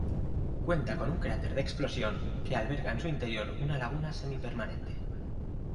Cuenta con un cráter de explosión que alberga en su interior una laguna semipermanente.